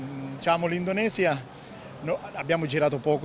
dan juga berpikir bahwa mereka akan menemukan suatu kulturnya yang berbeda